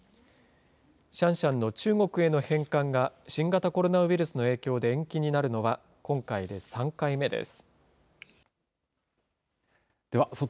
シャンシャンの中国への返還が新型コロナウイルスの影響で延期になるのは、今回で３回目です。